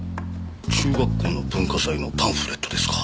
中学校の文化祭のパンフレットですか。